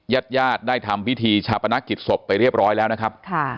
ญาติญาติได้ทำพิธีชาปนกิจศพไปเรียบร้อยแล้วนะครับ